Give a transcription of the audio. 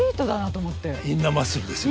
インナーマッスルですよね。